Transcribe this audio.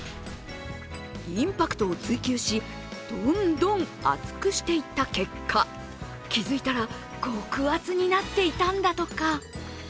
インパクトを追求しどんどん厚くしていった結果気づいたら極厚になっていたんだとか。